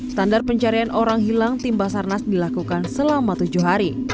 standar pencarian orang hilang tim basarnas dilakukan selama tujuh hari